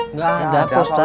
nggak ada pak ustadz